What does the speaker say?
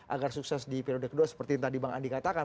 agar sukses di periode kedua seperti yang tadi bang andi katakan